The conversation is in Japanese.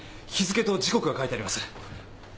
日付と時刻が書いてあります。